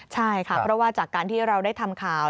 ใช่ค่ะเพราะว่าจากการที่เราได้ทำข่าว